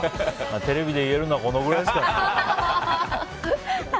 テレビで言えるのはこのくらいですかね。